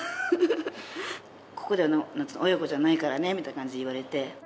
ここでは親子じゃないからねみたいな感じで言われて。